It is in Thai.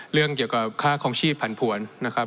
เรื่องเกี่ยวกับค่าคลองชีพผันผวนนะครับ